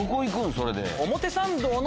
それで。